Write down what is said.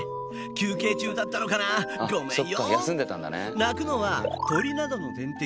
休憩中だったのかなごめんよ。